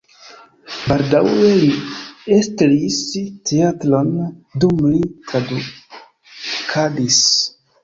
Baldaŭe li estris teatron, dume li tradukadis.